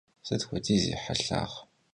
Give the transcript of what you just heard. Sıt xuediz yi helhağ?